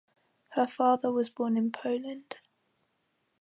Her father was born in Poland.